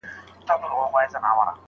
آیا اور تر اوبو خطرناک دی؟